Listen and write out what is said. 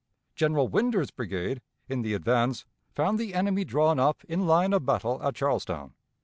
General Winder's brigade in the advance found the enemy drawn up in line of battle at Charlestown.